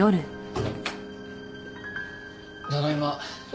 ただいま。